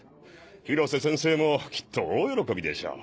広瀬先生もきっと大喜びでしょう。